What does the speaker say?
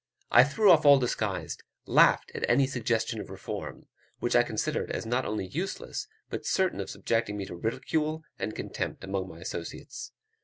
I threw off all disguise, laughed at any suggestion of reform, which I considered as not only useless, but certain of subjecting me to ridicule and contempt among my associates.